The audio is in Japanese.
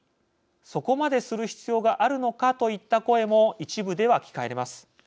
「そこまでする必要があるのか」といった声も一部では聞かれます。